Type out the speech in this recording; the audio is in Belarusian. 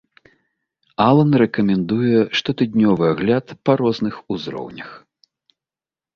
Алан рэкамендуе штотыднёвы агляд па розных узроўнях.